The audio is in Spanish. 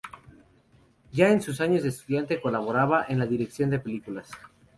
Ya en sus años de estudiante colaboraba en la dirección de películas.